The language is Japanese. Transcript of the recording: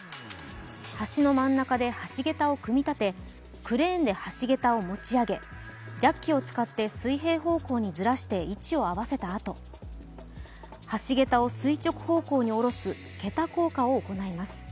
橋の真ん中で橋桁を組み立てクレーンで橋桁を持ち上げジャッキを使って水平方向にずらして位置を合わせたあと橋桁を垂直方向に下ろす桁降下を行います。